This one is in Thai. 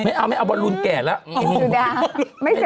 ไม่เอาไม่เอาบอลลูนแก่แล้ว